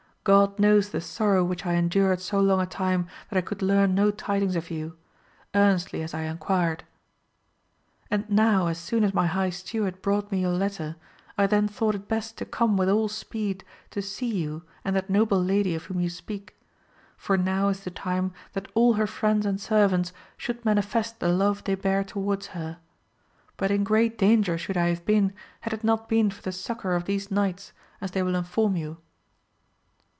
God knows the sorrow which I endured so long a time that I could learn no tidings of you, earnestly as I enquired! And now, as soon as my high steward brought me your letter, 1 then thought it best to come with all speed to see you and that noble lady of whom you speak, for now is the time that all her friends and servants should manifest the love they bear towards her. But in great danger should I have been had it not been for the succour of these knights, as they will inform you.